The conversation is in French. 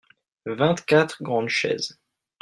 vingt quatre grandes chaises.